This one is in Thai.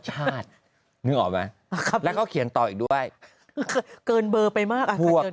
ชาตินึกออกไหมแล้วก็เขียนต่ออีกด้วยเกินเบอร์ไปมากอ่ะถูก